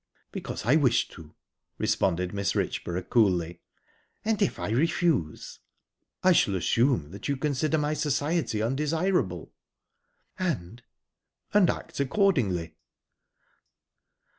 "Because I wish to," responded Mrs. Richborough, coolly. "And if I refuse?" "I shall assume that you consider my society undesirable." "And...?" "And act accordingly."